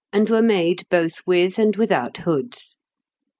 and were made both with and without hoods.